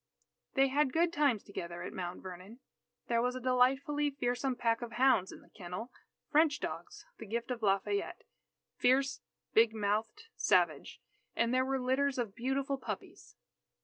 They had good times together at Mount Vernon. There was a delightfully fearsome pack of hounds in the kennel; French dogs, the gift of Lafayette, "fierce, big mouthed, savage." And there were litters of beautiful puppies.